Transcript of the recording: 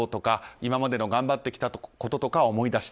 今までの頑張ってきたこととかを思い出した。